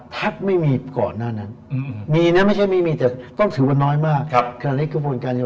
ทักไม่มีก่อนหน้านั้น